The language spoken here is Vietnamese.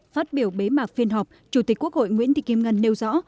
phát biểu bế mạc phiên họp chủ tịch quốc hội nguyễn thị kim ngân nêu rõ